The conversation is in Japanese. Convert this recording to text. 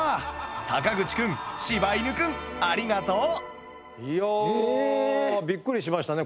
阪口くん柴犬くんありがとう！いやびっくりしましたね。